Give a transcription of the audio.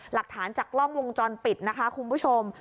หลักฐานจากกล้องวงจรปิดนะคะคุณผู้ชม